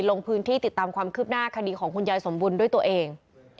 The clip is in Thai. ลงพื้นที่ติดตามความคืบหน้าคดีของคุณยายสมบูรณ์ด้วยตัวเอง